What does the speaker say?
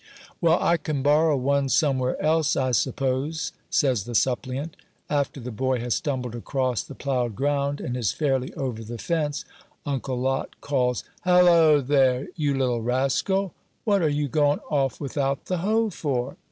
"Well, I can borrow one some where else, I suppose," says the suppliant. After the boy has stumbled across the ploughed ground, and is fairly over the fence, Uncle Lot calls, "Halloo, there, you little rascal! what are you goin' off without the hoe for?"